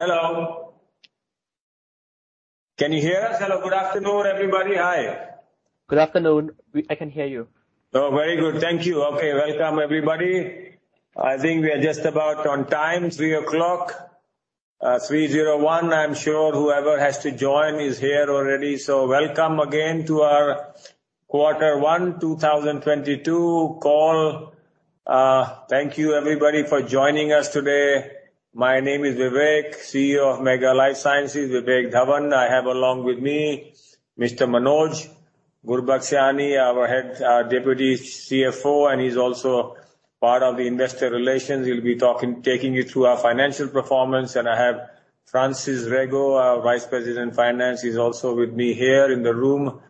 Hello. Can you hear us? Hello. Good afternoon, everybody. Hi. Good afternoon. I can hear you. Oh, very good. Thank you. Okay. Welcome everybody. I think we are just about on time, 3:00 P.M., 3:01 P.M. I'm sure whoever has to join is here already, so welcome again to our Q1 2022 call. Thank you everybody for joining us today. My name is Vivek, CEO of Mega Lifesciences, Vivek Dhawan. I have along with me Mr. Manoj Gurbuxani, our head, Deputy CFO, and he's also part of the investor relations. He'll be taking you through our financial performance. I have Francis Rego, our Vice President, Finance. He's also with me here in the room.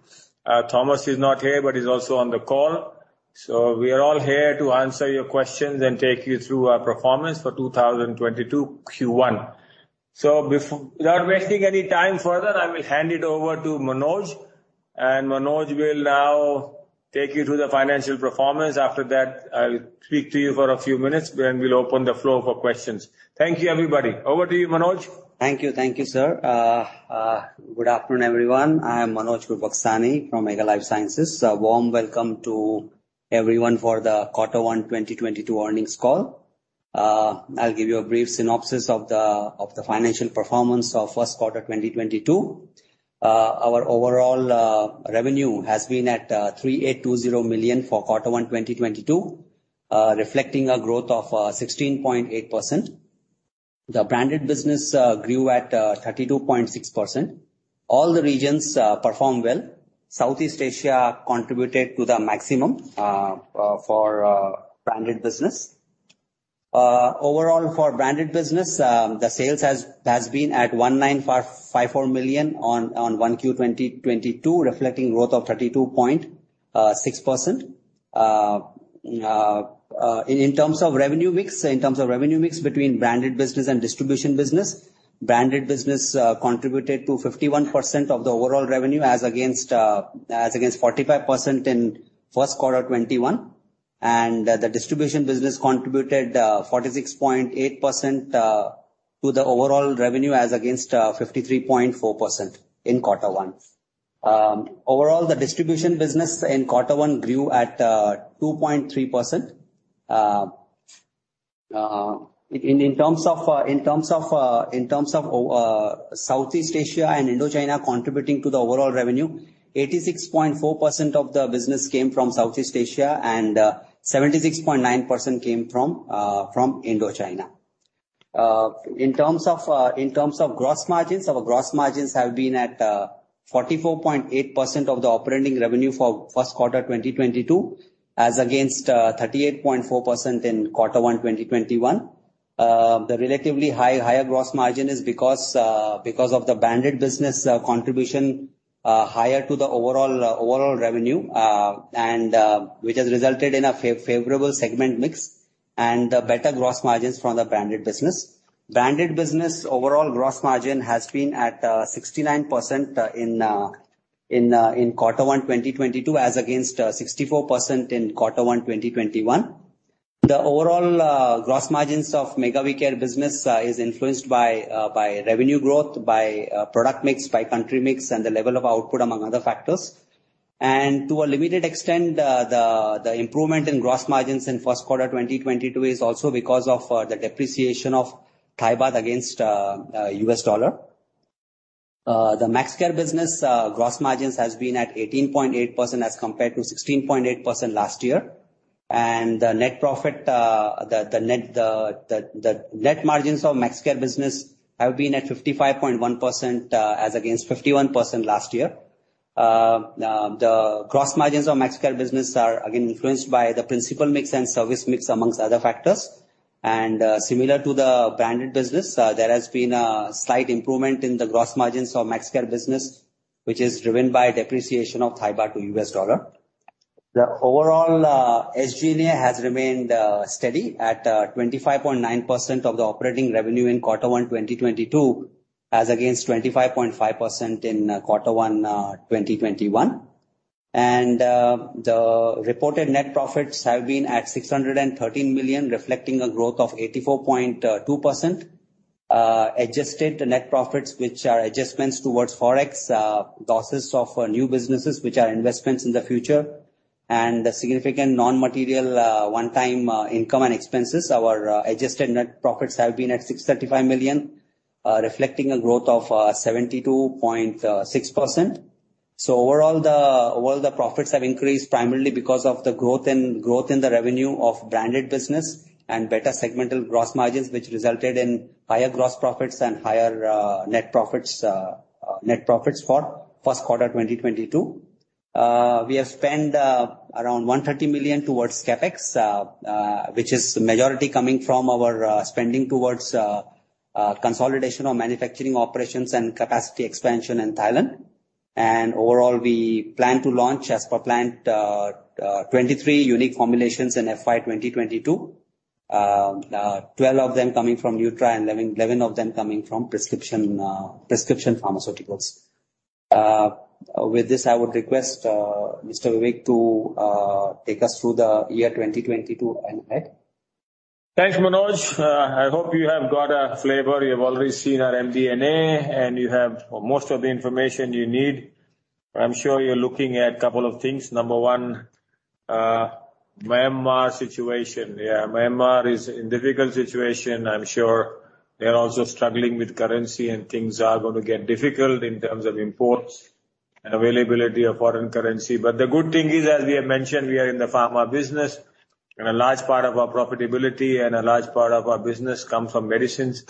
Thomas is not here, but he's also on the call. We are all here to answer your questions and take you through our performance for 2022 Q1. Before... Without wasting any time further, I will hand it over to Manoj, and Manoj will now take you through the financial performance. After that, I'll speak to you for a few minutes, then we'll open the floor for questions. Thank you, everybody. Over to you, Manoj. Thank you. Thank you, sir. Good afternoon, everyone. I am Manoj Gurbuxani from Mega Lifesciences. A warm welcome to everyone for the Q1, 2022 earnings call. I'll give you a brief synopsis of the financial performance of Q1 2022. Our overall revenue has been at 3,820 million for Q1, 2022, reflecting a growth of 16.8%. The branded business grew at 32.6%. All the regions performed well. Southeast Asia contributed to the maximum for branded business. Overall, for branded business, the sales has been at 1,955.4 million on 1Q 2022, reflecting growth of 32.6%. In terms of revenue mix between branded business and distribution business, branded business contributed to 51% of the overall revenue as against 45% in Q1 2021. The distribution business contributed 46.8% to the overall revenue as against 53.4% in Q1. Overall, the distribution business in Q1 grew at 2.3%. In terms of Southeast Asia and Indochina contributing to the overall revenue, 86.4% of the business came from Southeast Asia and 76.9% came from Indochina. In terms of gross margins, our gross margins have been at 44.8% of the operating revenue for Q1 2022, as against 38.4% in Q1, 2021. The relatively higher gross margin is because of the branded business contribution higher to the overall revenue, and which has resulted in a favorable segment mix and better gross margins from the branded business. Branded business overall gross margin has been at 69% in Q1, 2022, as against 64% in Q1, 2021. The overall gross margins of Mega WeCare business is influenced by revenue growth, by product mix, by country mix, and the level of output among other factors. To a limited extent, the improvement in gross margins in Q1 2022 is also because of the depreciation of Thai baht against U.S. dollar. The Maxxcare business gross margins has been at 18.8% as compared to 16.8% last year. The net margins of Maxxcare business have been at 55.1% as against 51% last year. The gross margins of Maxxcare business are again influenced by the product mix and service mix among other factors. Similar to the branded business, there has been a slight improvement in the gross margins of Maxxcare business, which is driven by depreciation of Thai baht to U.S. dollar. The overall SG&A has remained steady at 25.9% of the operating revenue in Q1, 2022, as against 25.5% in Q1, 2021. The reported net profits have been at 613 million, reflecting a growth of 84.2%. Adjusted net profits, which are adjustments towards Forex losses of new businesses which are investments in the future, and the significant non-material one-time income and expenses. Our adjusted net profits have been at 635 million, reflecting a growth of 72.6%. Overall, the Overall the profits have increased primarily because of the growth in the revenue of branded business and better segmental gross margins, which resulted in higher gross profits and higher net profits for Q1 2022. We have spent around 130 million towards CapEx, which is majority coming from our spending towards consolidation of manufacturing operations and capacity expansion in Thailand. Overall, we plan to launch as per plan 23 unique formulations in FY 2022. 12 of them coming from Nutra and 11 of them coming from prescription pharmaceuticals. With this, I would request Mr. Vivek to take us through the year 2022 and ahead. Thanks, Manoj. I hope you have got a flavor. You've already seen our MD&A, and you have most of the information you need. I'm sure you're looking at a couple of things. Number one, Myanmar situation. Yeah, Myanmar is in difficult situation. I'm sure they're also struggling with currency and things are gonna get difficult in terms of imports and availability of foreign currency. But the good thing is, as we have mentioned, we are in the pharma business, and a large part of our profitability and a large part of our business comes from medicines.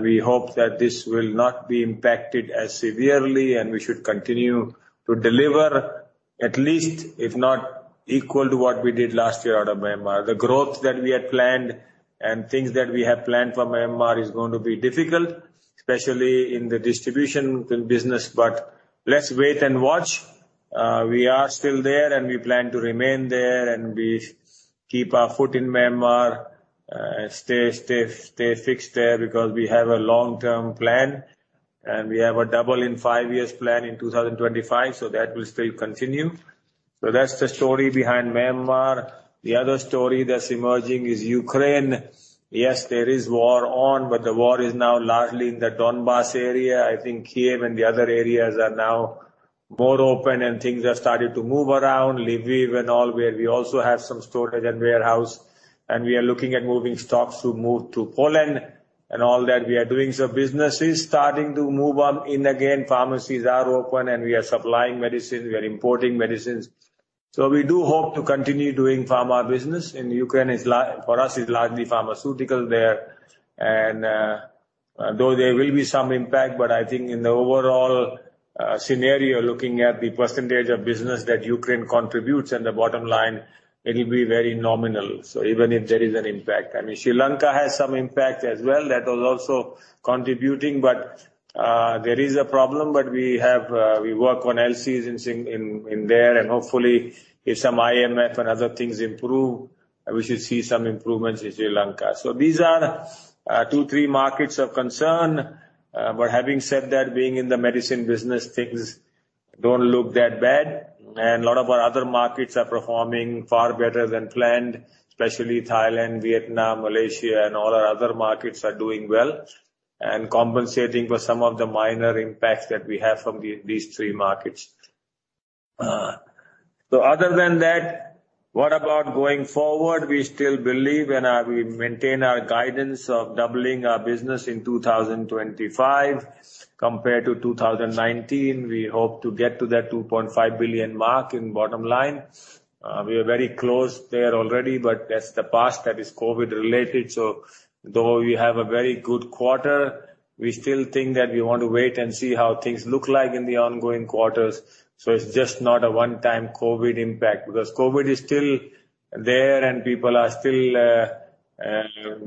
We hope that this will not be impacted as severely, and we should continue to deliver at least if not equal to what we did last year out of Myanmar. The growth that we had planned and things that we have planned for Myanmar is going to be difficult, especially in the distribution business, but let's wait and watch. We are still there, and we plan to remain there, and we keep our foot in Myanmar, stay fixed there because we have a long-term plan. We have a double in five years plan in 2025, so that will still continue. That's the story behind Myanmar. The other story that's emerging is Ukraine. Yes, there is war on, but the war is now largely in the Donbas area. I think Kyiv and the other areas are now more open and things have started to move around, Lviv and all, where we also have some storage and warehouse. We are looking at moving stocks to move to Poland and all that. We are doing some businesses starting to move on in again. Pharmacies are open, and we are supplying medicines. We are importing medicines. We do hope to continue doing pharma business in Ukraine. For us, it's largely pharmaceutical there. Though there will be some impact, but I think in the overall scenario, looking at the percentage of business that Ukraine contributes and the bottom line, it'll be very nominal. Even if there is an impact. I mean, Sri Lanka has some impact as well. That was also contributing, but there is a problem, but we work on LCs in there. Hopefully, if some IMF and other things improve, we should see some improvements in Sri Lanka. These are two, three markets of concern. Having said that, being in the medicine business, things don't look that bad. A lot of our other markets are performing far better than planned, especially Thailand, Vietnam, Malaysia, and all our other markets are doing well and compensating for some of the minor impacts that we have from these three markets. Other than that, what about going forward? We still believe and we maintain our guidance of doubling our business in 2025 compared to 2019. We hope to get to that 2.5 billion mark in bottom line. We are very close there already, but that's the past that is COVID-related. Though we have a very good quarter, we still think that we want to wait and see how things look like in the ongoing quarters. It's just not a one-time COVID impact because COVID is still there and people are still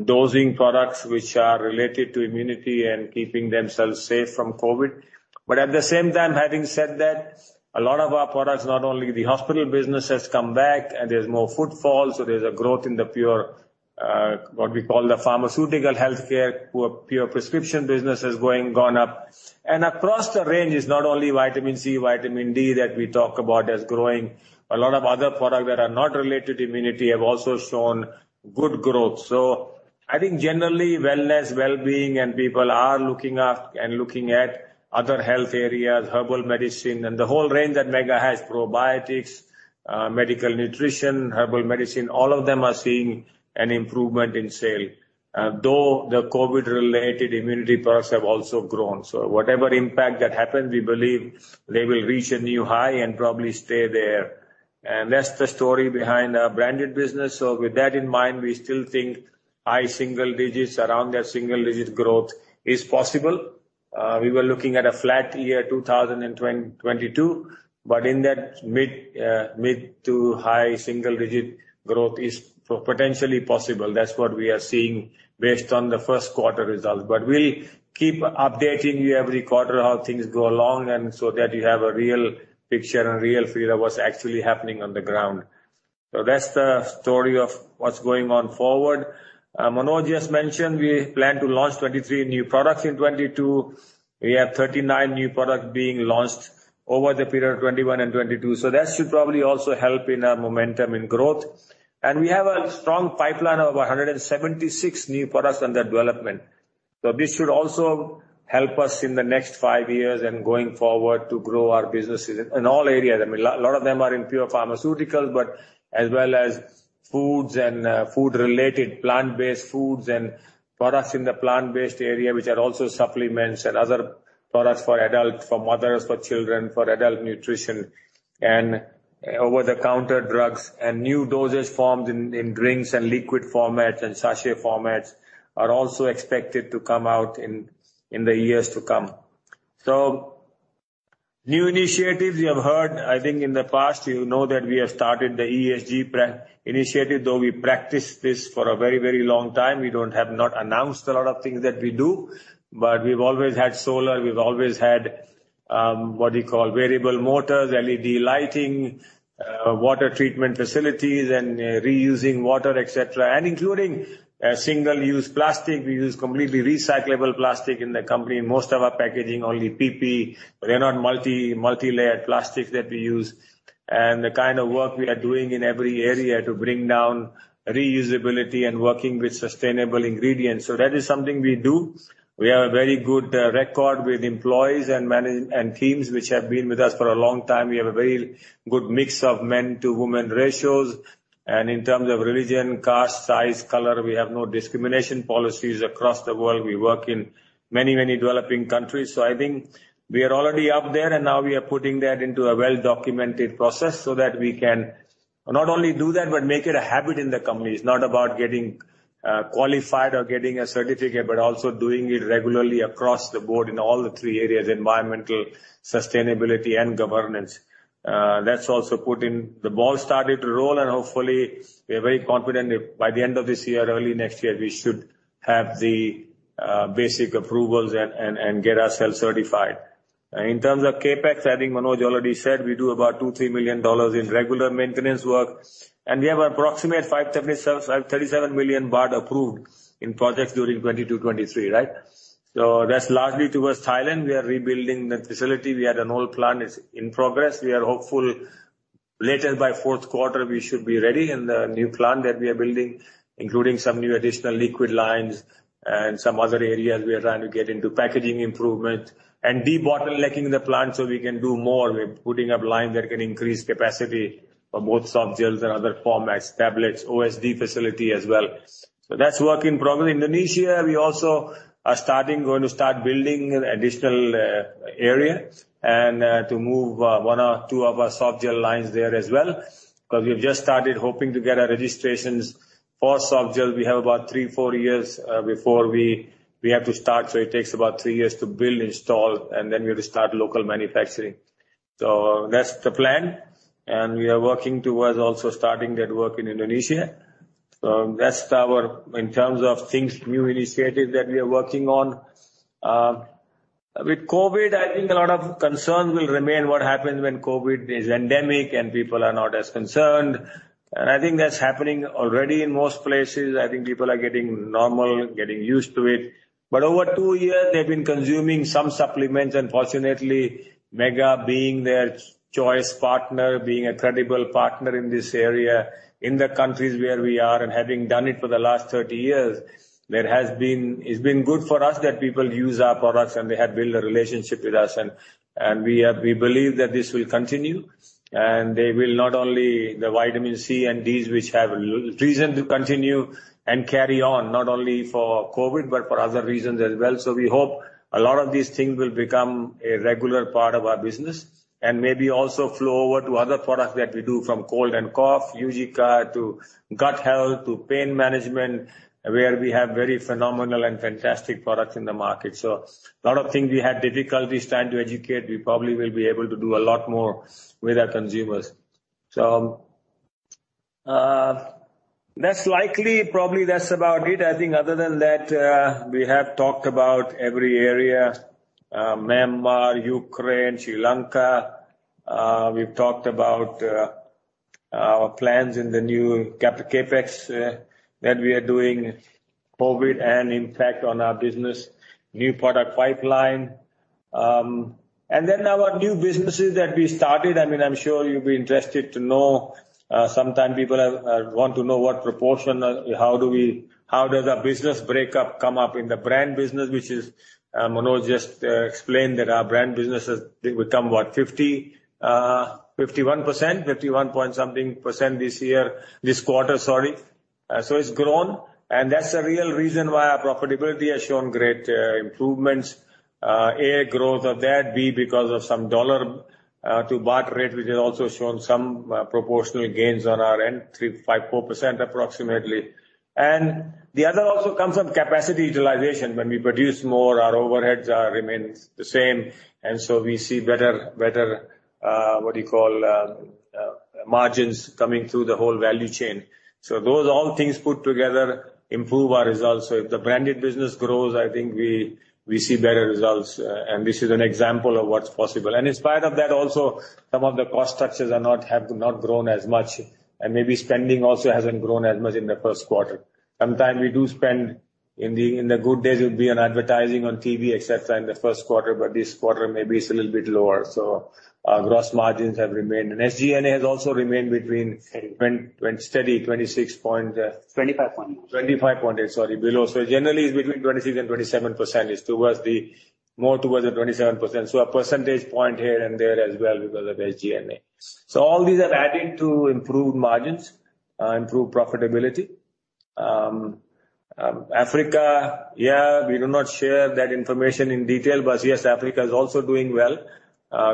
dosing products which are related to immunity and keeping themselves safe from COVID. At the same time, having said that, a lot of our products, not only the hospital business, has come back and there's more footfall. There's a growth in the pure, what we call the pharmaceutical healthcare, pure prescription business has gone up. Across the range is not only vitamin C, vitamin D that we talk about as growing. A lot of other products that are not related to immunity have also shown good growth. I think generally wellness, wellbeing, and people are looking up and looking at other health areas, herbal medicine, and the whole range that Mega has, probiotics, medical nutrition, herbal medicine, all of them are seeing an improvement in sales. Though the COVID-related immunity products have also grown. Whatever impact that happens, we believe they will reach a new high and probably stay there. That's the story behind our branded business. With that in mind, we still think high single digits around that single-digit growth is possible. We were looking at a flat year 2022, but in that mid to high single-digit growth is potentially possible. That's what we are seeing based on the Q1 results. We'll keep updating you every quarter how things go along and so that you have a real picture and real feel of what's actually happening on the ground. That's the story of what's going on forward. Manoj just mentioned we plan to launch 23 new products in 2022. We have 39 new products being launched over the period of 2021 and 2022. That should probably also help in our momentum in growth. We have a strong pipeline of 176 new products under development. This should also help us in the next five years and going forward to grow our businesses in all areas. I mean, a lot of them are in pure pharmaceuticals, but as well as foods and food-related plant-based foods and products in the plant-based area, which are also supplements and other products for adults, for mothers, for children, for adult nutrition and over-the-counter drugs. New dosage forms in drinks and liquid formats and sachet formats are also expected to come out in the years to come. New initiatives you have heard, I think in the past, that we have started the ESG initiative, though we practiced this for a very, very long time. We have not announced a lot of things that we do, but we've always had solar, we've always had what do you call? Variable motors, LED lighting, water treatment facilities and reusing water, et cetera. Including single-use plastic. We use completely recyclable plastic in the company. Most of our packaging, only PP. They're not multi-layered plastic that we use. The kind of work we are doing in every area to bring down reusability and working with sustainable ingredients. That is something we do. We have a very good record with employees and management and teams which have been with us for a long time. We have a very good mix of men to women ratios. In terms of religion, caste, size, color, we have no discrimination policies across the world. We work in many, many developing countries. I think we are already up there, and now we are putting that into a well-documented process so that we can not only do that, but make it a habit in the company. It's not about getting qualified or getting a certificate, but also doing it regularly across the board in all the three areas, environmental, sustainability and governance. That's also put in. The ball started to roll, and hopefully we are very confident that by the end of this year, early next year, we should have the basic approvals and get ourselves certified. In terms of CapEx, I think Manoj already said we do about $2-3 million in regular maintenance work, and we have approximate 37 million baht approved in projects during 2022-2023, right? That's largely towards Thailand. We are rebuilding the facility. We had an old plant. It's in progress. We are hopeful later by Q4, we should be ready. The new plant that we are building, including some new additional liquid lines and some other areas, we are trying to get into packaging improvement and debottlenecking the plant so we can do more. We're putting up lines that can increase capacity for both softgels and other formats, tablets, OSD facility as well. That's working properly. Indonesia, we also are going to start building an additional area and to move 1 or 2 of our softgel lines there as well. 'Cause we've just started hoping to get our registrations for softgels. We have about three or four years before we have to start. It takes about three years to build, install, and then we'll start local manufacturing. That's the plan. We are working towards also starting that work in Indonesia. That's our. In terms of things, new initiatives that we are working on. With COVID, I think a lot of concerns will remain what happens when COVID is endemic and people are not as concerned. I think that's happening already in most places. I think people are getting normal, getting used to it. Over two years, they've been consuming some supplements, and fortunately, Mega being their choice partner, being a credible partner in this area, in the countries where we are and having done it for the last 30 years, there has been. It's been good for us that people use our products, and they have built a relationship with us. We believe that this will continue, and they will not only. The vitamin C and Ds, which have reason to continue and carry on, not only for COVID, but for other reasons as well. We hope a lot of these things will become a regular part of our business and maybe also flow over to other products that we do from cold and cough, Eugica, to gut health, to pain management, where we have very phenomenal and fantastic products in the market. A lot of things we had difficulty trying to educate, we probably will be able to do a lot more with our consumers. That's likely. Probably that's about it. I think other than that, we have talked about every area, Myanmar, Ukraine, Sri Lanka. We've talked about our plans in the new capital CapEx that we are doing. COVID and impact on our business, new product pipeline. Our new businesses that we started. I mean, I'm sure you'll be interested to know, sometime people have want to know what proportion, How does our business break up come up in the brand business, which is, Manoj just explained that our brand businesses, they would come about 50, 51%, 51-point-something percent this year. This quarter, sorry. So it's grown, and that's the real reason why our profitability has shown great improvements. A, growth of that, B, because of some dollar to baht rate, which has also shown some proportional gains on our end, 3.54% approximately. The other also comes from capacity utilization. When we produce more, our overheads are remains the same, and so we see better margins coming through the whole value chain. Those all things put together improve our results. If the branded business grows, I think we see better results. This is an example of what's possible. In spite of that, also some of the cost structures have not grown as much, and maybe spending also hasn't grown as much in the Q1. Sometimes in the good days, it would be on advertising on TV, et cetera, in the Q1, but this quarter maybe it's a little bit lower. Our gross margins have remained. SG&A has also remained between 20 steady 26 point. 25.8. 25.8, sorry, below. Generally it's between 26% and 27%. It's more towards the 27%. A percentage point here and there as well because of SG&A. All these are adding to improved margins, improved profitability. Africa, yeah, we do not share that information in detail, but yes, Africa is also doing well,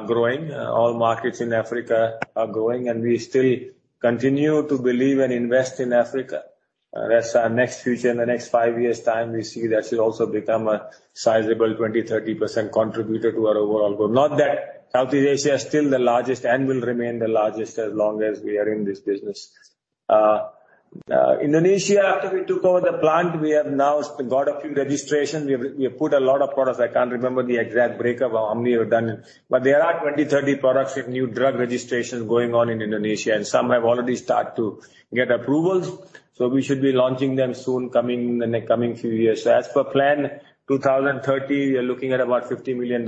growing. All markets in Africa are growing, and we still continue to believe and invest in Africa. That's our next future. In the next five years' time, we see that should also become a sizable 20%-30% contributor to our overall growth. Not that Southeast Asia is still the largest and will remain the largest as long as we are in this business. Indonesia, after we took over the plant, we have now got a few registrations. We have put a lot of products. I can't remember the exact breakup of how many we've done. There are 20-30 products with new drug registrations going on in Indonesia, and some have already started to get approvals. We should be launching them soon in the coming few years. As per plan, 2030, we are looking at about $50 million.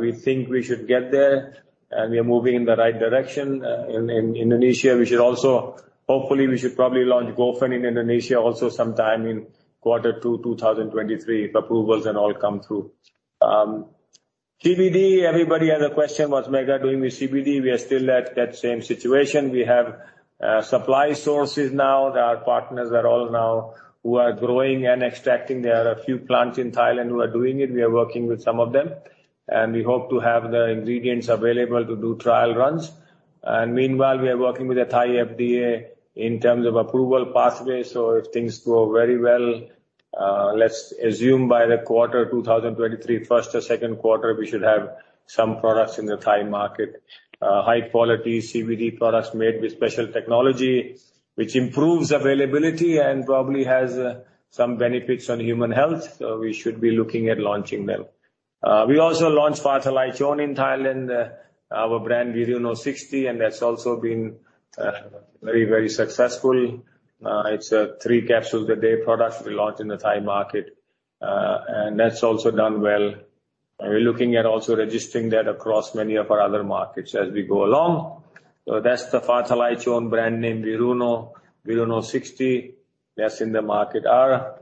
We think we should get there, and we are moving in the right direction. In Indonesia, we should also hopefully probably launch Gofen in Indonesia also sometime in Q2, 2023, if approvals and all come through. CBD, everybody has a question, what's Mega doing with CBD? We are still at that same situation. We have supply sources now that our partners are all now who are growing and extracting. There are a few plants in Thailand who are doing it. We are working with some of them, and we hope to have the ingredients available to do trial runs. Meanwhile, we are working with the Thai FDA in terms of approval pathways. If things go very well, let's assume by the first or Q2 2023, we should have some products in the Thai market. High-quality CBD products made with special technology, which improves availability and probably has some benefits on human health. We should be looking at launching them. We also launched Fah-Talai-Jone in Thailand, our brand Viruno 60, and that's also been very, very successful. It's a three capsules a day product we launched in the Thai market. That's also done well. We're looking at also registering that across many of our other markets as we go along. That's the Fah-Talai-Jone brand name, Viruno 60, that's in the market. Our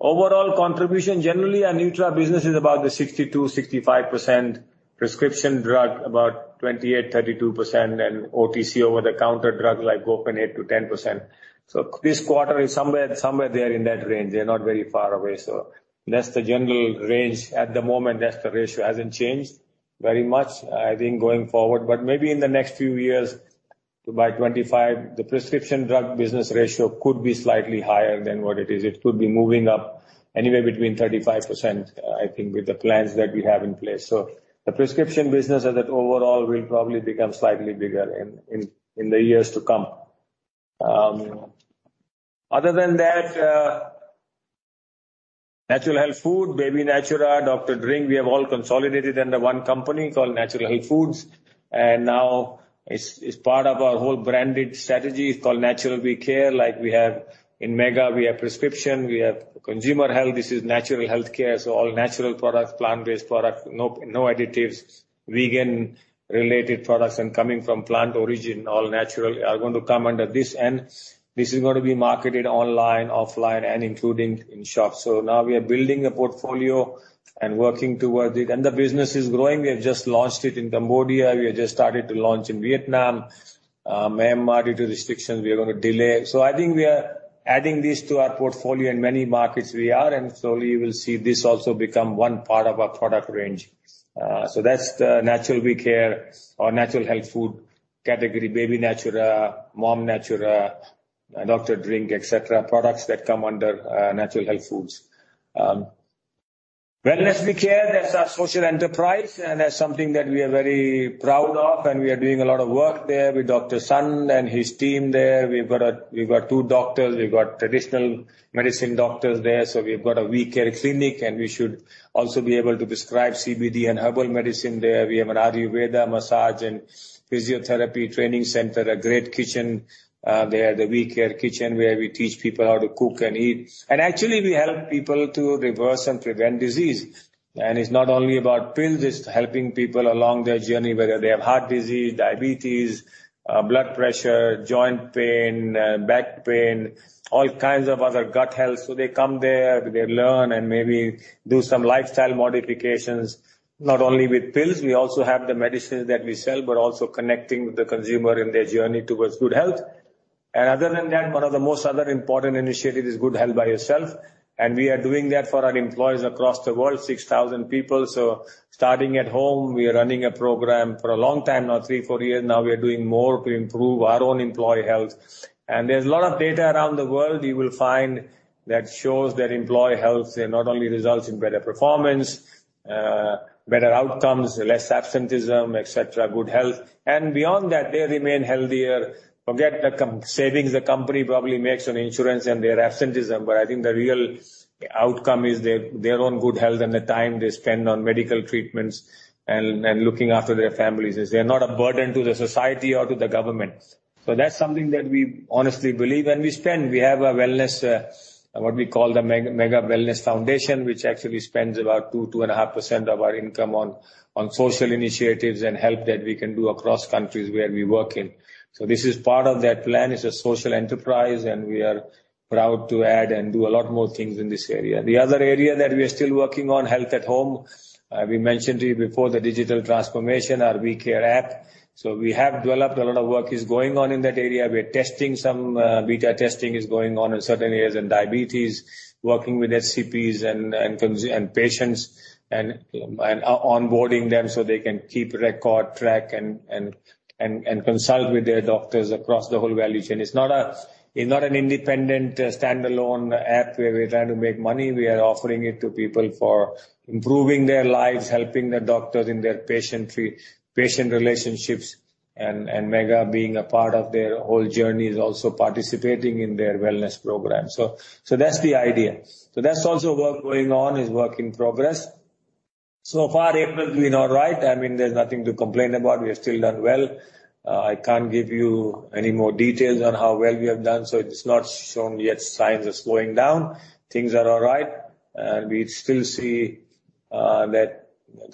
overall contribution, generally our Nutra business is about the 62%-65% prescription drug, about 28%-32%, and OTC over-the-counter drug like Gofen, 8%-10%. This quarter is somewhere there in that range. They're not very far away, that's the general range at the moment. That's the ratio. It hasn't changed very much, I think, going forward. Maybe in the next few years, by 2025, the prescription drug business ratio could be slightly higher than what it is. It could be moving up anywhere between 35%, I think with the plans that we have in place. The prescription business as at overall will probably become slightly bigger in the years to come. Other than that, Natural Health Foods, Baby Natura, Dr. Drink, we have all consolidated under one company called Natural Health Foods. Now it's part of our whole branded strategy. It's called Natural WeCare. Like we have in Mega, we have prescription, we have consumer health. This is natural healthcare, so all-natural products, plant-based products, no additives, vegan-related products, and coming from plant origin, all-natural, are going to come under this. This is going to be marketed online, offline, and including in shops. Now we are building a portfolio and working towards it. The business is growing. We have just launched it in Cambodia. We have just started to launch in Vietnam. Myanmar, due to restrictions, we are going to delay. I think we are adding this to our portfolio. In many markets we are, and slowly you will see this also become one part of our product range. That's the Natural WeCare or Natural Health Food category. Baby Natura, Mom Natura, Dr. Drink, et cetera, products that come under Natural Health Foods. Wellness WeCare, that's our social enterprise, and that's something that we are very proud of, and we are doing a lot of work there with Dr. Sun and his team there. We've got two doctors. We've got traditional medicine doctors there. We've got a WeCare Clinic, and we should also be able to prescribe CBD and herbal medicine there. We have an Ayurveda massage and physiotherapy training center, a great kitchen, the WeCare Kitchen, where we teach people how to cook and eat. Actually, we help people to reverse and prevent disease. It's not only about pills. It's helping people along their journey, whether they have heart disease, diabetes, blood pressure, joint pain, back pain, all kinds of other gut health. They come there, they learn and maybe do some lifestyle modifications, not only with pills. We also have the medicines that we sell, but also connecting with the consumer in their journey towards good health. Other than that, one of the most other important initiative is Good Health by Yourself. We are doing that for our employees across the world, 6,000 people. Starting at home, we are running a program for a long time now, three, four years now. We are doing more to improve our own employee health. There's a lot of data around the world you will find that shows that employee health not only results in better performance, better outcomes, less absenteeism, et cetera, good health. Beyond that, they remain healthier. Forget the savings the company probably makes on insurance and their absenteeism, but I think the real outcome is their own good health and the time they spend on medical treatments and looking after their families, as they are not a burden to the society or to the government. That's something that we honestly believe, and we spend. We have a wellness, what we call the Wellness WeCare Foundation, which actually spends about 2.5% of our income on social initiatives and help that we can do across countries where we work. This is part of that plan. It's a social enterprise, and we are proud to add and do a lot more things in this area. The other area that we are still working on, health at home. We mentioned to you before the digital transformation, our WeCare app. We have developed. A lot of work is going on in that area. We are testing some. Beta testing is going on in certain areas in diabetes, working with HCPs and patients and onboarding them, so they can keep record, track, and consult with their doctors across the whole value chain. It's not an independent standalone app where we're trying to make money. We are offering it to people for improving their lives, helping the doctors in their patient relationships. Mega being a part of their whole journey is also participating in their wellness program. That's the idea. That's also work going on, is work in progress. So far, April is doing all right. I mean, there's nothing to complain about. We have still done well. I can't give you any more details on how well we have done, so it's not shown yet signs of slowing down. Things are all right, and we still see that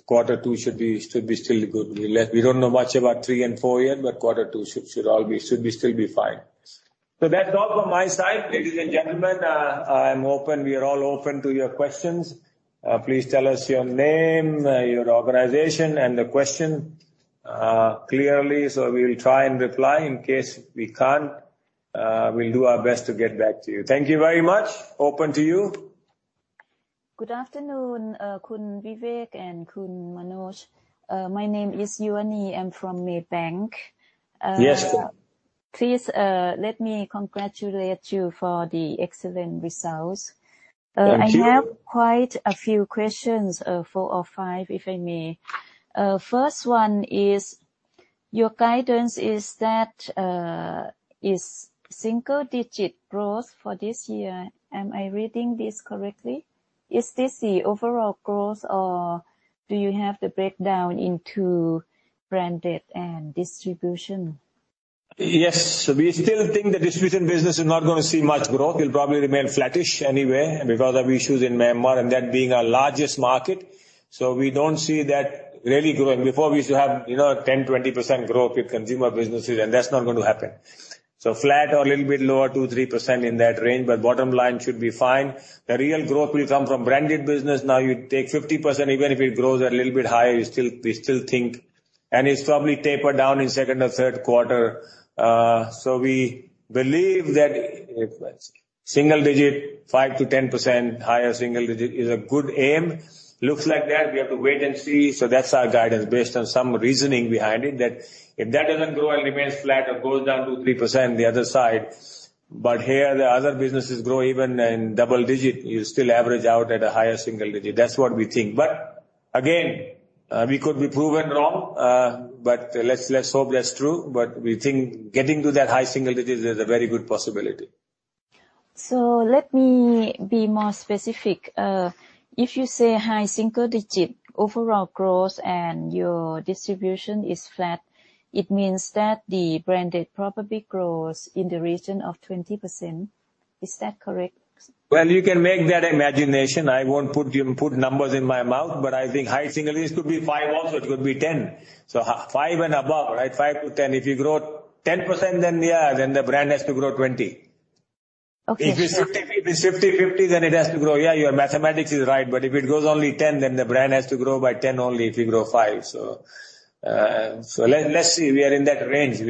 Q2 should be still good. We don't know much about three and four yet, but Q2 should all be still fine. That's all from my side. Ladies and gentlemen, I'm open, we are all open to your questions. Please tell us your name, your organization, and the question clearly, so we will try and reply. In case we can't, we'll do our best to get back to you. Thank you very much. Open to you. Good afternoon, Khun Vivek and Khun Manoj. My name is Yuani. I'm from Maybank. Yes. Please, let me congratulate you for the excellent results. Thank you. I have quite a few questions, four or five, if I may. First one is your guidance is that is single-digit growth for this year. Am I reading this correctly? Is this the overall growth, or do you have the breakdown into branded and distribution? Yes. We still think the distribution business is not gonna see much growth. It'll probably remain flattish anyway because of issues in Myanmar and that being our largest market. We don't see that really growing. Before we used to have, 10, 20% growth with consumer businesses, and that's not going to happen. Flat or a little bit lower, 2, 3% in that range, but bottom line should be fine. The real growth will come from branded business. Now, you take 50%, even if it grows a little bit higher, you still we still think, and it's probably taper down in second or Q3. We believe that single digit, 5%-10%, higher single digit is a good aim. Looks like that. We have to wait and see. That's our guidance based on some reasoning behind it, that if that doesn't grow and remains flat or goes down 2-3% the other side, but here the other businesses grow even in double-digit, you still average out at a higher single-digit. That's what we think. Again, we could be proven wrong, but let's hope that's true. We think getting to that high single-digit is a very good possibility. Let me be more specific. If you say high single digit overall growth and your distribution is flat, it means that the branded probably grows in the region of 20%. Is that correct? Well, you can use your imagination. I won't put words in your mouth. I think high single, it could be 5 also, it could be 10. 5 and above, right? 5%-10%. If you grow 10%, then yeah, then the brand has to grow 20. Okay. If it's 50, if it's 50/50, then it has to grow. Yeah, your mathematics is right. If it grows only 10, then the brand has to grow by 10 only if you grow 5. Let's see. We are in that range.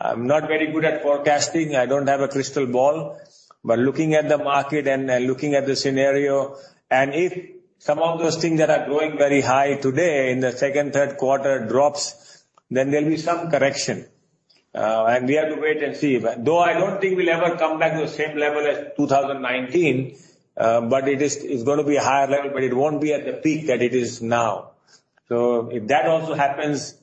I'm not very good at forecasting. I don't have a crystal ball. Looking at the market and looking at the scenario, and if some of those things that are growing very high today in the second, Q3 drops, then there'll be some correction. We have to wait and see. Though I don't think we'll ever come back to the same level as 2019, it is going to be a higher level, but it won't be at the peak that it is now. If that also happens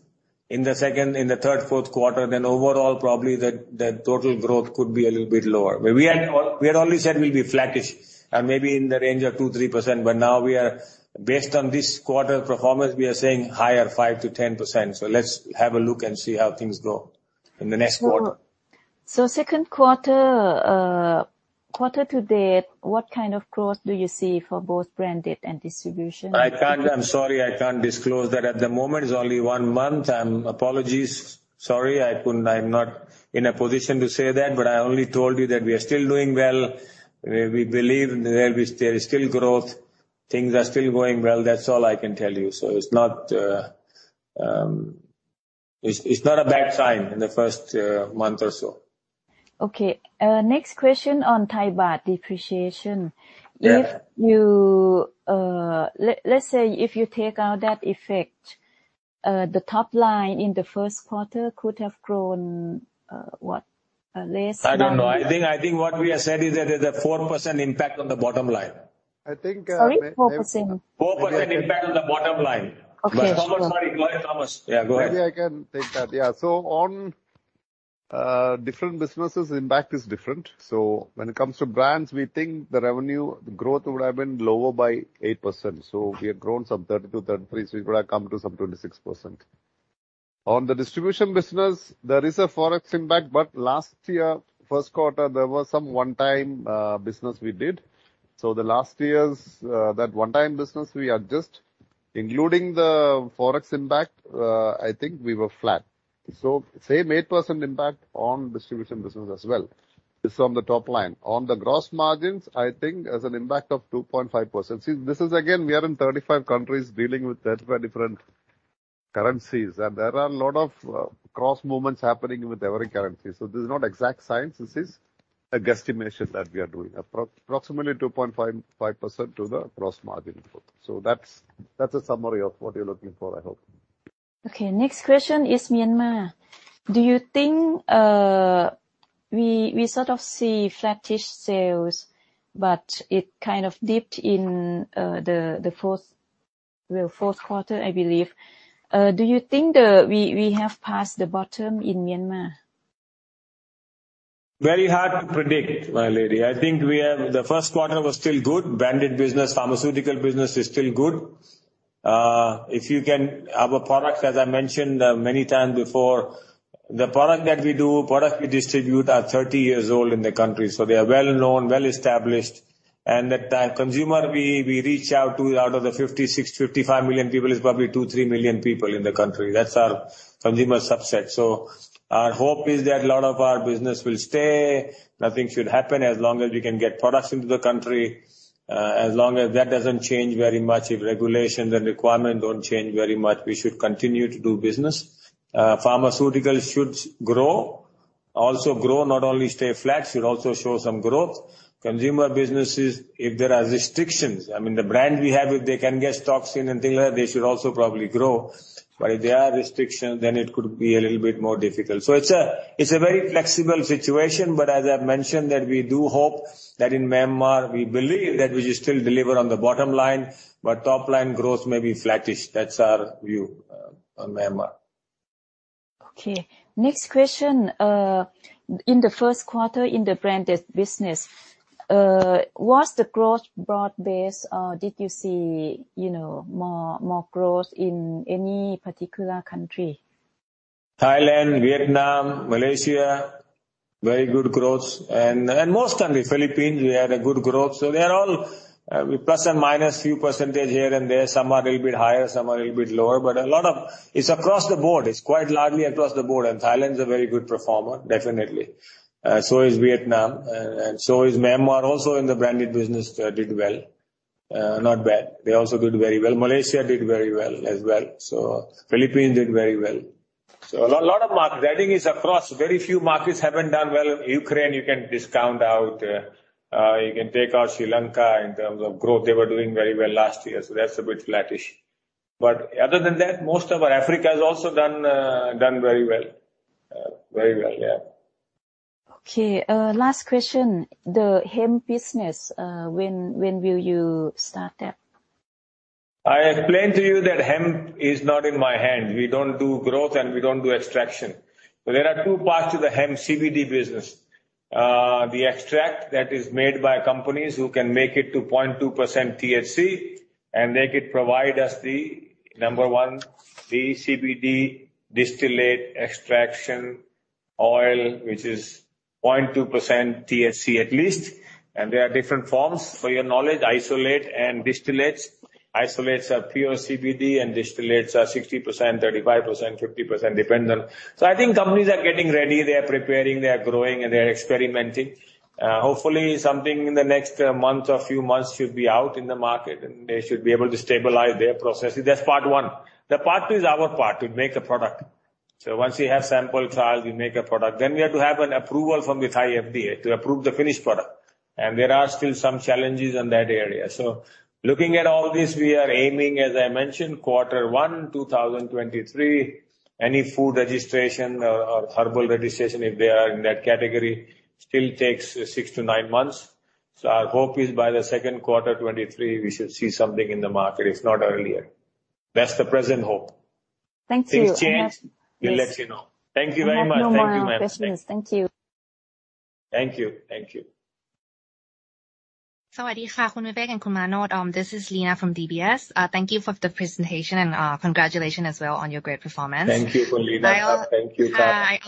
in the second, third, Q4, then overall probably the total growth could be a little bit lower. We had already said we'll be flattish, maybe in the range of 2%-3%. Now based on this quarter's performance, we are saying higher, 5%-10%. Let's have a look and see how things go in the next quarter. Q2 to date, what kind of growth do you see for both branded and distribution? I can't. I'm sorry, I can't disclose that at the moment. It's only one month. Apologies. Sorry. I'm not in a position to say that, but I only told you that we are still doing well. We believe there is still growth. Things are still going well. That's all I can tell you. It's not a bad sign in the first month or so. Okay. Next question on Thai baht depreciation. Yeah. If you, let's say if you take out that effect, the top line in the Q1 could have grown, what? Less than- I don't know. I think what we have said is that there's a 4% impact on the bottom line. I think. Sorry, 4%? 4% impact on the bottom line. Okay. Thomas. Sorry, go ahead, Thomas. Yeah, go ahead. Maybe I can take that. Yeah. On different businesses, impact is different. When it comes to brands, we think the revenue growth would have been lower by 8%. We have grown some 30-33, so it would have come to some 26%. On the distribution business, there is a Forex impact, but last year, Q3, there was some one-time business we did. The last year's that one-time business we adjust. Including the Forex impact, I think we were flat. Same 8% impact on distribution business as well. It's on the top line. On the gross margins, I think there's an impact of 2.5%. See, this is again, we are in 35 countries dealing with 35 different currencies, and there are a lot of cross movements happening with every currency. This is not exact science. This is a guesstimation that we are doing. Approximately 2.55% to the gross margin. That's a summary of what you're looking for, I hope. Okay. Next question is Myanmar. Do you think we sort of see flattish sales, but it kind of dipped in the Q4, I believe. Do you think we have passed the bottom in Myanmar? Very hard to predict, my lady. The Q1 was still good. Branded business, pharmaceutical business is still good. Our products, as I mentioned, many times before, the product that we do, product we distribute are 30 years old in the country, so they are well-known, well-established. The consumer we reach out to, out of the 56, 55 million people is probably 2, 3 million people in the country. That's our consumer subset. Our hope is that a lot of our business will stay. Nothing should happen as long as we can get products into the country. As long as that doesn't change very much, if regulations and requirements don't change very much, we should continue to do business. Pharmaceutical should grow. Also grow, not only stay flat, should also show some growth. Consumer businesses, if there are restrictions, I mean, the brands we have, if they can get stocks in and things like that, they should also probably grow. If there are restrictions, then it could be a little bit more difficult. It's a very flexible situation, but as I've mentioned that we do hope that in Myanmar, we believe that we should still deliver on the bottom line, but top-line growth may be flattish. That's our view on Myanmar. Okay. Next question. In the Q1 in the branded business, was the growth broad-based, or did you see, more growth in any particular country? Thailand, Vietnam, Malaysia, very good growth. Most countries, Philippines, we had good growth. They're all, plus or minus a few percent here and there. Some are a little bit higher, some are a little bit lower, but a lot of it's across the board. It's quite largely across the board, and Thailand's a very good performer, definitely. So is Vietnam, and so is Myanmar also in the branded business, did well. Not bad. They also did very well. Malaysia did very well as well. Philippines did very well. A lot of markets. I think it's across the board. Very few markets haven't done well. Ukraine you can discount out. You can take out Sri Lanka in terms of growth. They were doing very well last year, so that's a bit flattish. Other than that, most of our. Africa has also done very well. Very well, yeah. Okay. Last question. The hemp business, when will you start that? I explained to you that hemp is not in my hand. We don't do growth, and we don't do extraction. There are two parts to the hemp CBD business. The extract that is made by companies who can make it to 0.2% THC, and they could provide us the, number one, the CBD distillate extraction oil, which is 0.2% THC at least. There are different forms for your knowledge, isolate and distillates. Isolates are pure CBD, and distillates are 60%, 35%, 50%, depends on. I think companies are getting ready. They are preparing, they are growing, and they are experimenting. Hopefully something in the next month or few months should be out in the market, and they should be able to stabilize their processes. That's part one. The part two is our part to make a product. Once we have sample trials, we make a product. We have to have an approval from the Thai FDA to approve the finished product, and there are still some challenges in that area. Looking at all this, we are aiming, as I mentioned, Q1, 2023. Any food registration or herbal registration, if they are in that category, still takes 6-9 months. Our hope is by the Q2, 2023, we should see something in the market, if not earlier. That's the present hope. Thank you. Things change. Yes. We'll let you know. Thank you very much. I have no more questions. Thank you, ma'am. Thank you. Thank you. Thank you. Thank you. This is Lena from DBS. Thank you for the presentation and congratulations as well on your great performance. Thank you, Lena. Thank you. I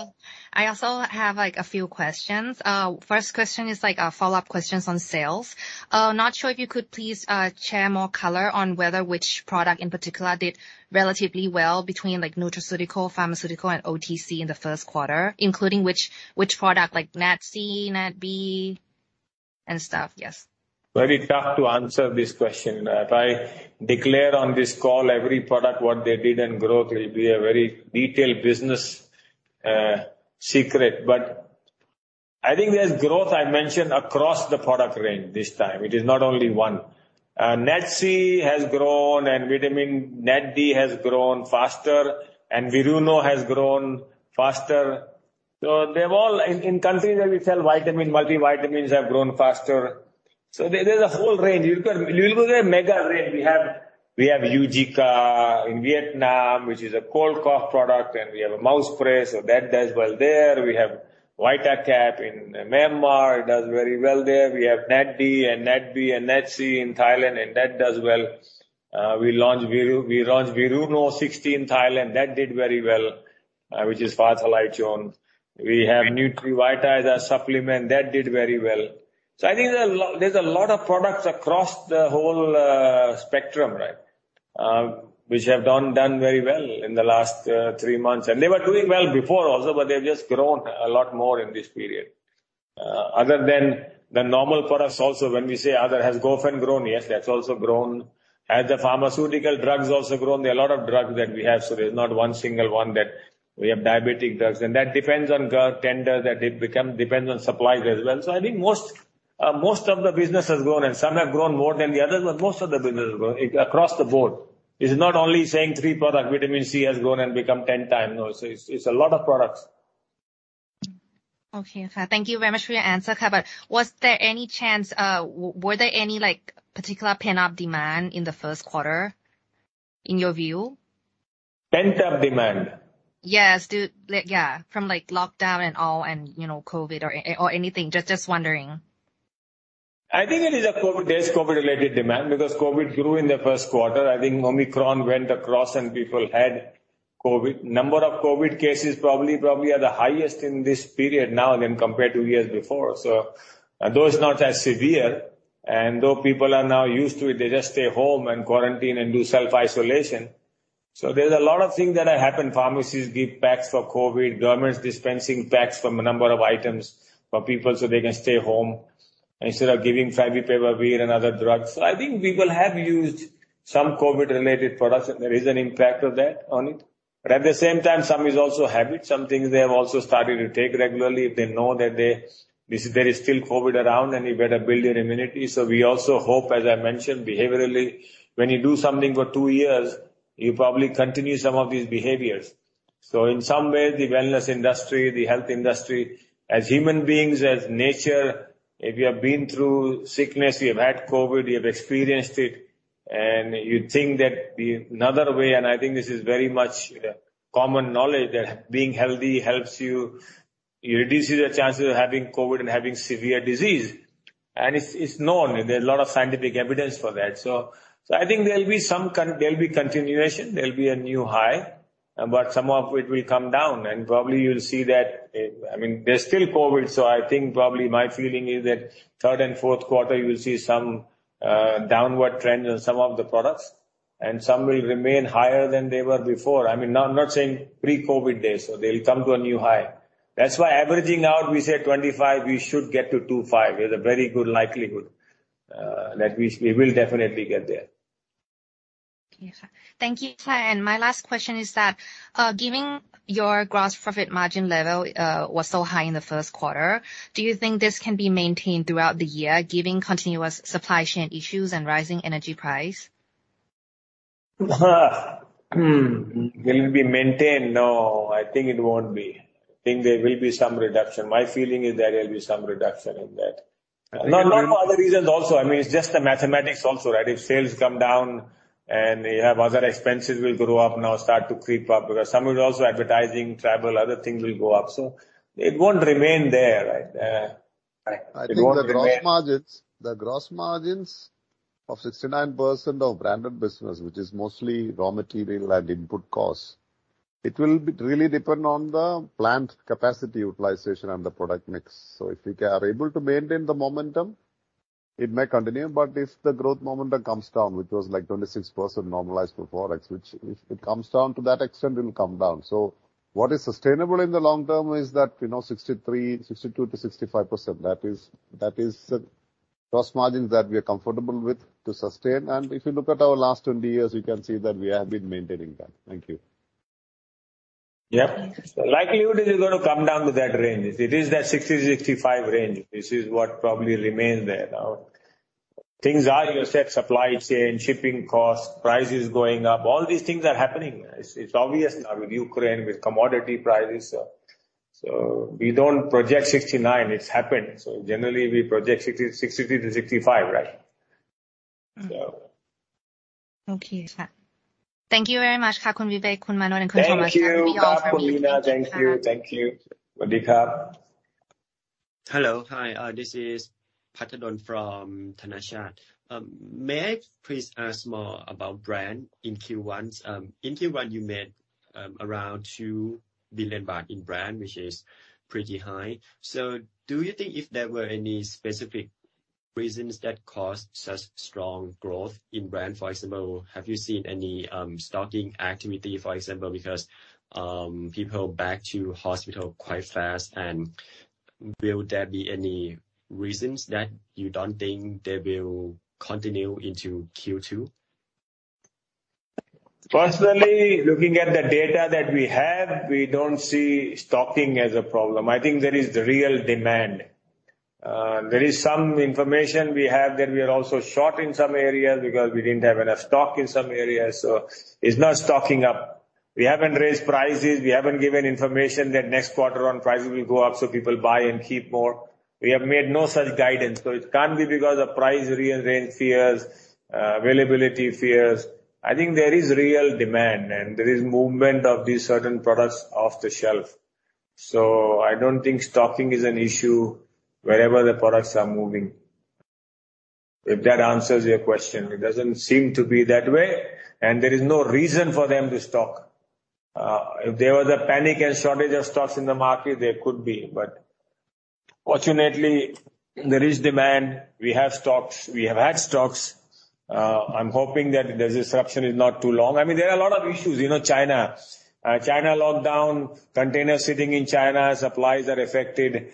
also have, like, a few questions. First question is, like, follow-up questions on sales. Not sure if you could please share more color on whether which product in particular did relatively well between, like, nutraceutical, pharmaceutical, and OTC in the Q1, including which product, like Nat C, Nat B and stuff. Yes. Very tough to answer this question. If I declare on this call every product, what they did in growth, it will be a very detailed business secret. I think there's growth I mentioned across the product range this time. It is not only one. Nat C has grown and Nat D has grown faster, and Viruno has grown faster. In countries where we sell vitamin, multivitamins have grown faster. There's a whole range. We've got a mega range. We have Eugica in Vietnam, which is a cold cough product, and we have a mouth spray, so that does well there. We have Vitacap in Myanmar. It does very well there. We have Nat D and Nat B and Nat C in Thailand, and that does well. We launched Viruno Sixty in Thailand. That did very well, which is Flexigen. We have Nutrivita supplement. That did very well. I think there's a lot of products across the whole spectrum, right, which have done very well in the last three months. They were doing well before also, but they've just grown a lot more in this period. Other than the normal products also, when we say other, has Gofen grown? Yes, that's also grown. Has the pharmaceutical drugs also grown? There are a lot of drugs that we have, so there's not one single one that. We have diabetic drugs, and that depends on government tender, depends on suppliers as well. I think most of the business has grown, and some have grown more than the other, but most of the business has grown. It's across the board. It's not only saying 3 product, Vitamin C has grown and become 10 times. No. It's a lot of products. Okay. Thank you very much for your answer. Were there any, like, particular pent-up demand in the Q1, in your view? Pent-up demand? Yes. Like, yeah. From, like, lockdown and all, and COVID or anything. Just wondering. I think there is COVID-related demand because COVID grew in the Q1. I think Omicron went across and people had COVID. Number of COVID cases probably are the highest in this period now than compared to years before. Although it's not as severe, and though people are now used to it, they just stay home and quarantine and do self-isolation. There's a lot of things that have happened. Pharmacies give packs for COVID, governments dispensing packs from a number of items for people so they can stay home instead of giving Favipiravir and other drugs. I think people have used some COVID-related products, and there is an impact of that on it. At the same time, some is also habit. Some things they have also started to take regularly. They know that they. This, there is still COVID around, and you better build your immunity. We also hope, as I mentioned behaviorally, when you do something for two years, you probably continue some of these behaviors. In some way, the wellness industry, the health industry, as human beings, as nature, if you have been through sickness, you have had COVID, you have experienced it, and you think that the another way, and I think this is very much, common knowledge, that being healthy helps you. It reduces the chances of having COVID and having severe disease. It's known. There are a lot of scientific evidence for that. I think there'll be some continuation. There'll be a new high. Some of it will come down, and probably you'll see that. I mean, there's still COVID, so I think probably my feeling is that third and Q4 you will see some downward trend on some of the products, and some will remain higher than they were before. I mean, I'm not saying pre-COVID days. They'll come to a new high. That's why averaging out, we say 25, we should get to 25 with a very good likelihood that we will definitely get there. Yes. Thank you. My last question is that, given your gross profit margin level was so high in the Q1, do you think this can be maintained throughout the year, given continuous supply chain issues and rising energy price? Will it be maintained? No, I think it won't be. I think there will be some reduction. My feeling is there will be some reduction in that. Not for other reasons also. I mean, it's just the mathematics also, right? If sales come down and you have other expenses will go up now, start to creep up, because some are also advertising, travel, other things will go up. It won't remain there. Right. It won't remain. I think the gross margins of 69% of branded business, which is mostly raw material and input costs, it will really depend on the plant capacity utilization and the product mix. If we are able to maintain the momentum, it may continue. If the growth momentum comes down, which was like 26% normalized before, which if it comes down to that extent, it'll come down. What is sustainable in the long term is that, 63, 62%-65%. That is gross margins that we are comfortable with to sustain. If you look at our last 20 years, you can see that we have been maintaining that. Thank you. Yep. Likelihood is gonna come down to that range. It is that 60%-65% range. This is what probably remains there now. Things are, you said, supply chain, shipping costs, prices going up. All these things are happening. It's obvious now with Ukraine, with commodity prices. We don't project 69%. It's happened. Generally we project 60%-65%, right? Okay. Thank you very much, Khun Vivek, Khun Manoj- Thank you. Thank you, thank you. Hello. Hi. This is Patadon from Thanachart. May I please ask more about brand in Q1? In Q1 you made around 2 billion baht in brand, which is pretty high. Do you think if there were any specific reasons that caused such strong growth in brand? For example, have you seen any stocking activity, for example, because people back to hospital quite fast? Will there be any reasons that you don't think they will continue into Q2? Personally, looking at the data that we have, we don't see stocking as a problem. I think there is the real demand. There is some information we have that we are also short in some areas because we didn't have enough stock in some areas. It's not stocking up. We haven't raised prices. We haven't given information that next quarter on prices will go up, so people buy and keep more. We have made no such guidance. It can't be because of price fears, availability fears. I think there is real demand, and there is movement of these certain products off the shelf. I don't think stocking is an issue wherever the products are moving. If that answers your question. It doesn't seem to be that way, and there is no reason for them to stock. If there was a panic and shortage of stocks in the market, there could be. Fortunately, there is demand. We have stocks. We have had stocks. I'm hoping that the disruption is not too long. I mean, there are a lot of issues. You know, China. China lockdown, containers sitting in China, supplies are affected.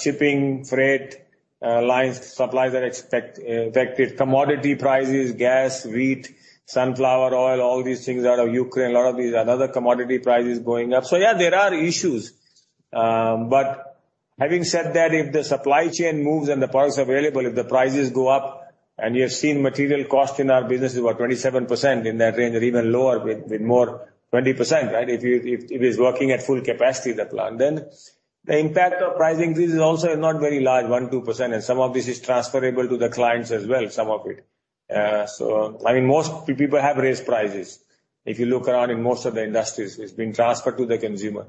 Shipping freight lines, supplies are affected. Commodity prices, gas, wheat, sunflower oil, all these things out of Ukraine. A lot of these, another commodity price is going up. So yeah, there are issues. Having said that, if the supply chain moves and the products available, if the prices go up, and you have seen material costs in our business is about 27% in that range or even lower with more 20%, right? If it's working at full capacity, the plant. The impact of pricing, this is also not very large, 1%-2%, and some of this is transferable to the clients as well, some of it. I mean, most people have raised prices. If you look around in most of the industries, it's being transferred to the consumer.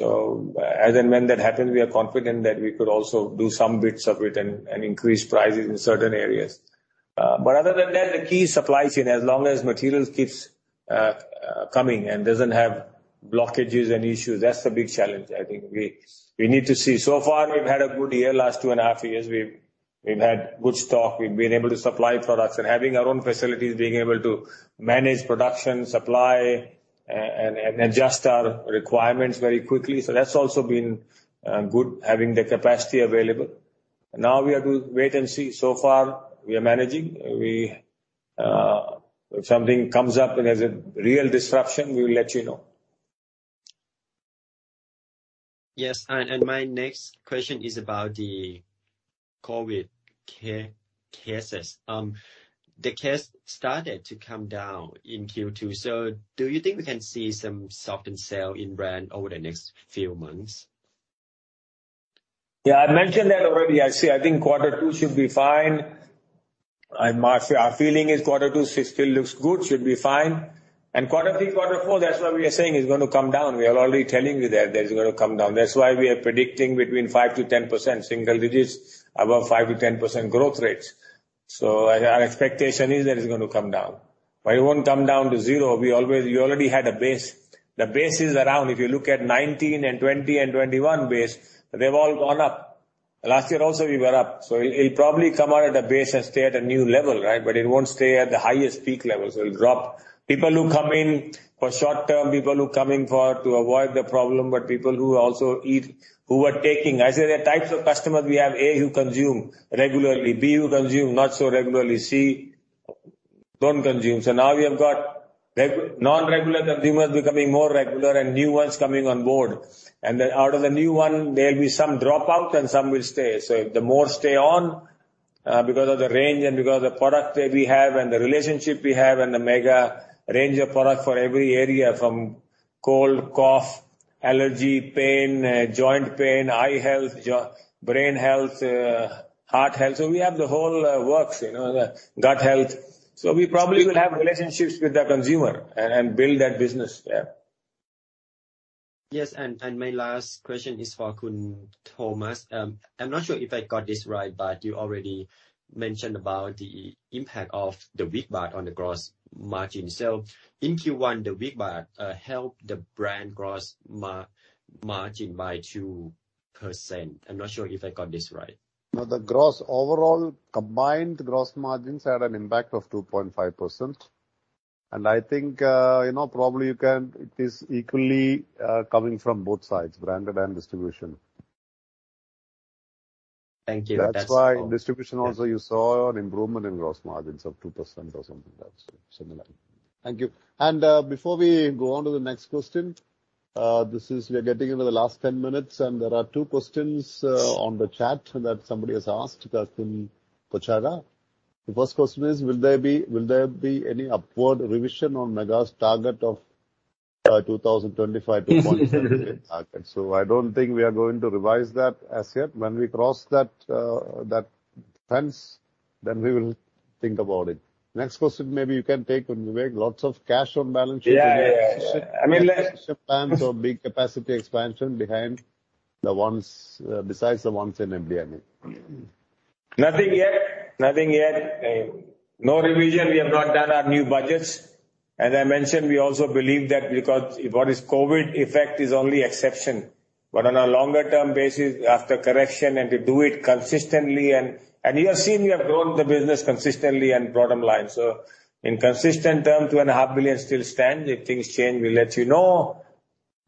As and when that happens, we are confident that we could also do some bits of it and increase prices in certain areas. Other than that, the key supply chain, as long as materials keeps coming and doesn't have blockages and issues, that's the big challenge I think we need to see. So far, we've had a good year. Last two and a half years, we've had good stock. We've been able to supply products and having our own facilities, being able to manage production, supply, and adjust our requirements very quickly. That's also been good having the capacity available. Now we have to wait and see. So far we are managing. If something comes up and has a real disruption, we will let you know. Yes, my next question is about the COVID cases. The cases started to come down in Q2, so do you think we can see some softening sales in brand over the next few months? Yeah, I mentioned that already. I see. I think Q2 should be fine. Our feeling is Q2 still looks good, should be fine. Q3, Q4, that's why we are saying it's gonna come down. We are already telling you that it's gonna come down. That's why we are predicting between 5%-10%, single digits, above 5%-10% growth rates. Our expectation is that it's gonna come down. It won't come down to zero. We already had a base. The base is around, if you look at 2019 and 2020 and 2021 base, they've all gone up. Last year also we were up. It'll probably come out at a base and stay at a new level, right? It won't stay at the highest peak levels. It'll drop. People who come in for short term, people who come in for to avoid the problem, but people who also eat, who are taking. As I say, there are types of customers we have. A, who consume regularly. B, who consume not so regularly. C don't consume. Now we have got non-regular consumers becoming more regular and new ones coming on board. Out of the new one, there'll be some drop out and some will stay. The more stay on because of the range and because the product that we have and the relationship we have and the Mega range of product for every area from cold, cough, allergy, pain, joint pain, eye health, brain health, heart health. We have the whole works, the gut health. We probably will have relationships with the consumer and build that business there. Yes, my last question is for Khun Thomas. I'm not sure if I got this right, but you already mentioned about the impact of the weak baht on the gross margins. In Q1, the weak baht helped the brand gross margin by 2%. I'm not sure if I got this right. No, the gross overall combined gross margins had an impact of 2.5%. I think, you know, it is equally coming from both sides, branded and distribution. Thank you. That's all. That's why distribution also you saw an improvement in gross margins of 2% or something like that, so similar. Thank you. Before we go on to the next question, this is. We are getting into the last 10 minutes, and there are two questions on the chat that somebody has asked, Khun Kocharha. The first question is, will there be any upward revision on Mega's target of 2025-2027 target? So I don't think we are going to revise that as yet. When we cross that fence, then we will think about it. Next question, maybe you can take, Vivek. Lots of cash on balance sheet. Yeah. I mean that's. Plans of big capacity expansion behind the ones, besides the ones in MD&A. Nothing yet. No revision. We have not done our new budgets. As I mentioned, we also believe that because what is COVID effect is only exception. On a longer-term basis, after correction and to do it consistently, and you have seen we have grown the business consistently and bottom line. In consistent terms, 2.5 billion still stands. If things change, we'll let you know.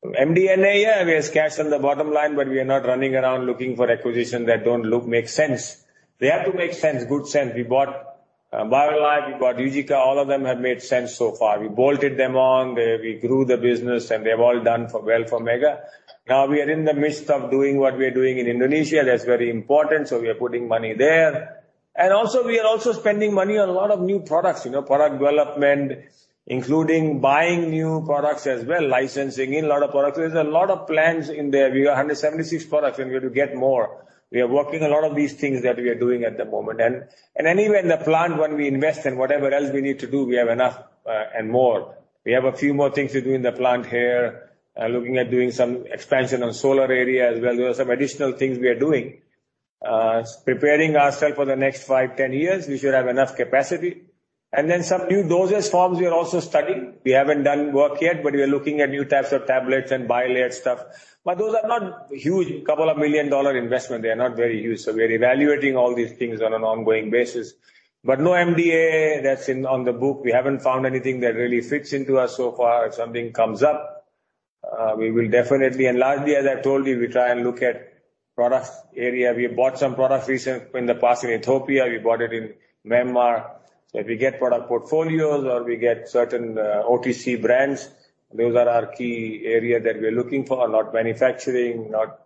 MD&A, yeah, we have cash on the bottom line, but we are not running around looking for acquisitions that don't make sense. They have to make sense, good sense. We bought Bio-Life, we bought Eugica. All of them have made sense so far. We bolted them on. We grew the business, and they have all done well for Mega. Now we are in the midst of doing what we are doing in Indonesia. That's very important, so we are putting money there. Also, we are also spending money on a lot of new products, product development, including buying new products as well, licensing in a lot of products. There's a lot of plans in there. We have 176 products, and we're to get more. We are working a lot of these things that we are doing at the moment. Anyway, in the plant, when we invest and whatever else we need to do, we have enough, and more. We have a few more things to do in the plant here, looking at doing some expansion on solar area as well. There are some additional things we are doing. Preparing ourself for the next five, 10 years. We should have enough capacity. Then some new dosage forms we are also studying. We haven't done work yet, but we are looking at new types of tablets and bilayered stuff. Those are not huge, a couple of $ million investment. They are not very huge. We are evaluating all these things on an ongoing basis. No M&A that's in on the book. We haven't found anything that really fits into us so far. If something comes up, we will definitely. Largely, as I told you, we try and look at products area. We have bought some products in the past in Ethiopia, we bought it in Myanmar. If we get product portfolios or we get certain OTC brands, those are our key area that we're looking for. Not manufacturing, not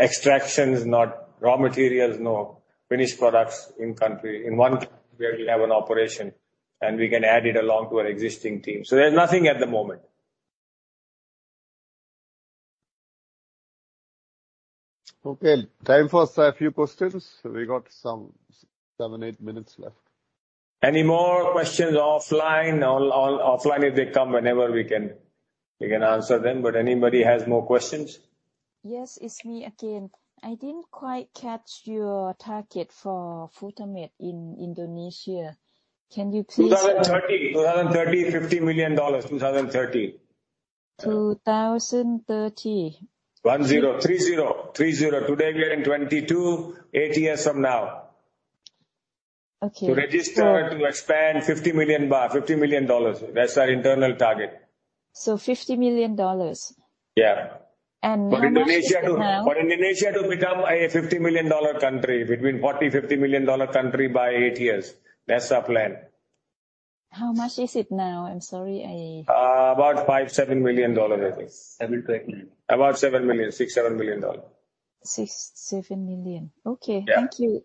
extractions, not raw materials. No finished products in country. In one country where we have an operation, and we can add it along to our existing team. There's nothing at the moment. Okay. Time for a few questions. We got some 7, 8 minutes left. Any more questions offline? Or offline if they come, whenever we can answer them. Anybody has more questions? Yes. It's me again. I didn't quite catch your target for Futamed in Indonesia. Can you please? 2030, $50 million. 2030. 1030. 30. Today we are in 2022, eight years from now. Okay. To register, to expand $50 million. That's our internal target. $50 million? Yeah. How much is it now? For Indonesia to become a $50 million country between $40-$50-million-dollar country by eight years. That's our plan. How much is it now? I'm sorry. About $57 million, I think. 7 million-8 million. About $7 million. $6-$7 million. THB 6 million-THB 7 million. Yeah. Okay. Thank you.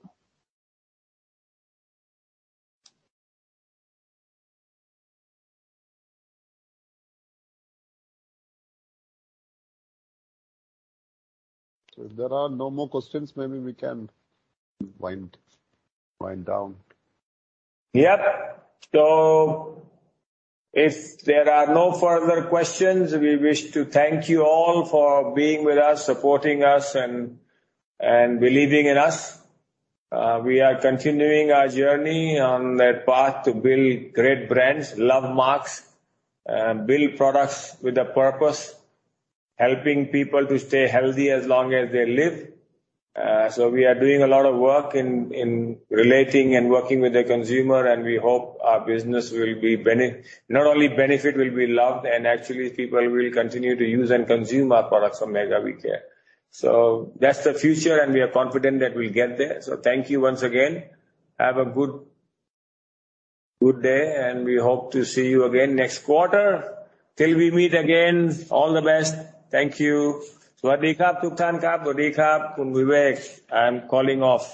If there are no more questions, maybe we can wind down. Yep. If there are no further questions, we wish to thank you all for being with us, supporting us and believing in us. We are continuing our journey on that path to build great brands, love marks, build products with a purpose, helping people to stay healthy as long as they live. We are doing a lot of work in relating and working with the consumer, and we hope our business will be not only benefit, will be loved, and actually people will continue to use and consume our products from Mega We care. That's the future and we are confident that we'll get there. Thank you once again. Have a good day, and we hope to see you again next quarter. Till we meet again, all the best. Thank you. สวัสดีครับทุกท่านครับ. สวัสดีครับคุณวิเวก. I'm calling off.